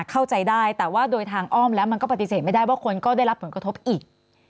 เข้าใจได้แต่ว่าโดยทางอ้อมแล้วมันก็ปฏิเสธไม่ได้ว่าคนก็ได้รับผลกระทบอีก